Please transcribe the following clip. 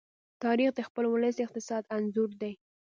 تاریخ د خپل ولس د اقتصاد انځور دی.